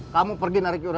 kamu pergi narik uran aja